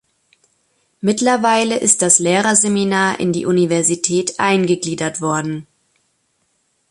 Mittlerweile ist das Lehrerseminar in die Universität eingegliedert worden.